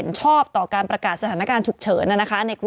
มีสารตั้งต้นเนี่ยคือยาเคเนี่ยใช่ไหมคะ